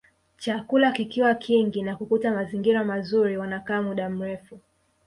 Chakula kikiwa kingi na kukuta mazingira mazuri wanakaa muda mrefu